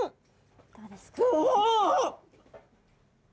どうですか？